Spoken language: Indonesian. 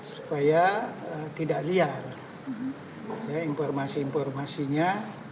supaya tidak liar informasi informasinya